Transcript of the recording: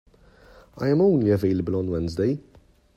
I am only available on Wednesday.